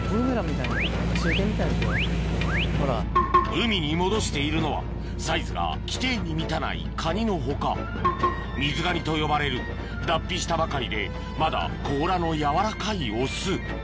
海に戻しているのはサイズが規定に満たないカニの他水ガニと呼ばれる脱皮したばかりでまだ甲羅の柔らかいオス